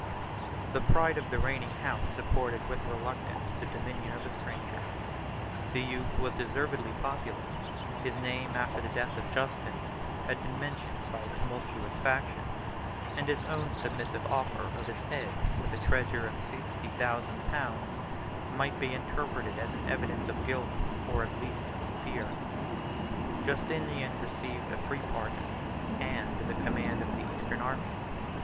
The pride of the reigning house supported, with reluctance, the dominion of a stranger: the youth was deservedly popular; his name, after the death of Justin, had been mentioned by a tumultuous faction; and his own submissive offer of his head with a treasure of sixty thousand pounds, might be interpreted as an evidence of guilt, or at least of fear. Justinian received a free pardon, and the command of the eastern army.